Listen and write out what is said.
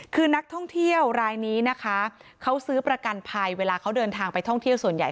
คือนักท่องเที่ยวรายนี้นะคะเขาซื้อประกันภัยเวลาเขาเดินทางไปท่องเที่ยวส่วนใหญ่